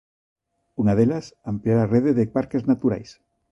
Unha delas, ampliar a rede de parques naturais.